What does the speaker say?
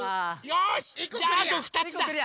よしじゃああと２つだ。